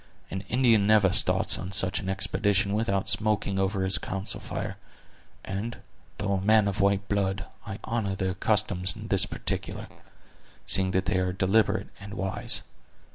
An Indian never starts on such an expedition without smoking over his council fire; and, though a man of white blood, I honor their customs in this particular, seeing that they are deliberate and wise.